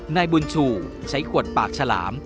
นายบุญชูใช้ขวดปากฉลาม